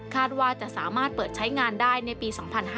ว่าจะสามารถเปิดใช้งานได้ในปี๒๕๕๙